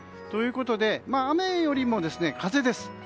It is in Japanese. ということで雨よりも、風です。